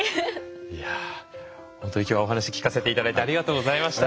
いや本当に今日はお話聞かせて頂いてありがとうございました。